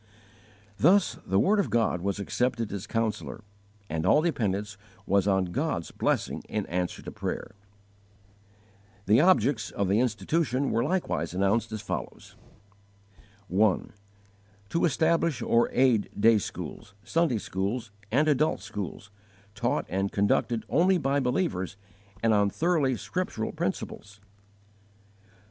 Thus the word of God was accepted as counsellor, and all dependence was on God's blessing in answer to prayer. The objects of the institution were likewise announced as follows: 1. To establish or aid day schools, Sunday schools, and adult schools, taught and conducted only by believers and on thoroughly scriptural principles.